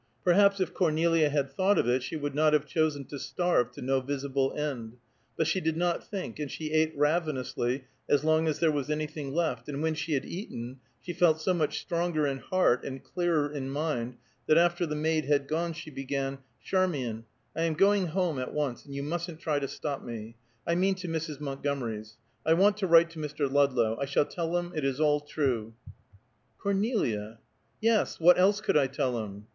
Perhaps if Cornelia had thought of it she would not have chosen to starve to no visible end, but she did not think, and she ate ravenously as long as there was anything left, and when she had eaten, she felt so much stronger in heart and clearer in mind, that after the maid had gone she began, "Charmian, I am going home, at once, and you mustn't try to stop me; I mean to Mrs. Montgomery's. I want to write to Mr. Ludlow. I shall tell him it is all true." "Cornelia!" "Yes; what else could I tell him?"